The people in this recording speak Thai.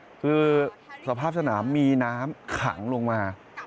คือสภาพสนามมีน้ำขังลงมา